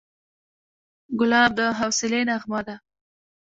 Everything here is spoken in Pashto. ګلاب د حوصلې نغمه ده.